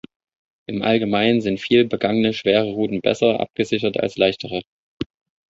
Im Allgemeinen sind viel begangene schwere Routen besser abgesichert als leichtere.